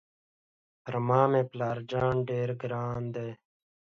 پر ما مې پلار جان ډېر ګران دی.